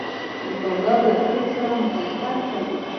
دوکاندار له ظلم سره مخالفت کوي.